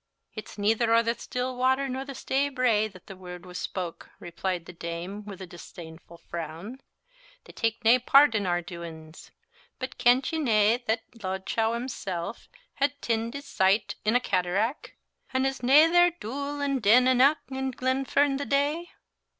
"It's neither o' the still water nor the stay brae that the word was spoke," replied the dame, with a disdainful frown; "they tak' nae part in our doings: but kent ye nae that Lochdow himsel' had tined his sight in a cataract; an' is nae there dule an' din eneuch in Glenfern the day?